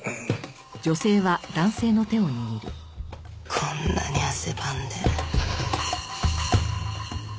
こんなに汗ばんで。